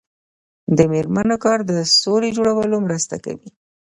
د میرمنو کار د سولې جوړولو مرسته کوي.